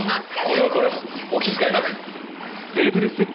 これはこれはお気遣いなく！